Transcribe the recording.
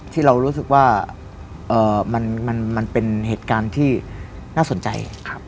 ที่เรารู้สึกว่ามันเป็นเหตุการณ์ที่น่าสนใจ